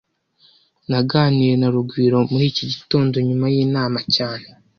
Naganiriye na Rugwiro muri iki gitondo nyuma yinama cyane